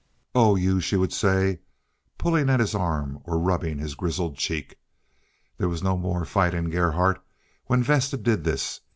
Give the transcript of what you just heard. "Oh you," she would say, pulling at his arm or rubbing his grizzled cheek. There was no more fight in Gerhardt when Vesta did this.